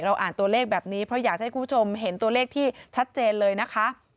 อ่านตัวเลขแบบนี้เพราะอยากจะให้คุณผู้ชมเห็นตัวเลขที่ชัดเจนเลยนะคะ